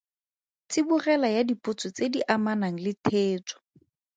Tsibogela ya dipotso tse di amanang le theetso.